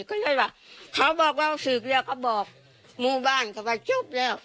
ก็ใช่ว่าเขาบอกว่าสืบแล้วก็บอกหมู่บ้านก็ว่าจบแล้ว